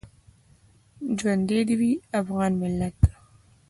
ژوندی دې وي افغان ملت؟